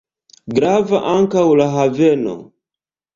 Gravas ankaŭ la haveno.